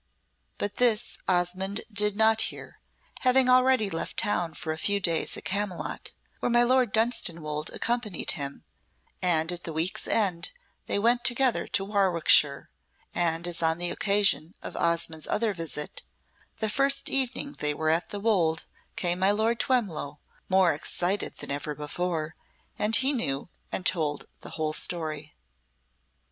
But this Osmonde did not hear, having already left town for a few days at Camylott, where my Lord Dunstanwolde accompanied him, and at the week's end they went together to Warwickshire, and as on the occasion of Osmonde's other visit, the first evening they were at the Wolde came my Lord Twemlow, more excited than ever before, and he knew and told the whole story.